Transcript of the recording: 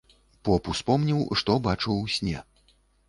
Поп успомніў, што бачыў у сне.